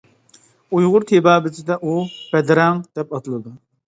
ئۇيغۇر تېبابىتىدە ئۇ ‹ ‹بەدرەڭ› ›، دەپ ئاتىلىدۇ.